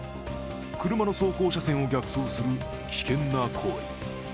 車の走行車線を逆走する危険な行為。